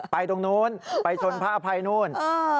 ตรงนู้นไปชนพระอภัยนู่น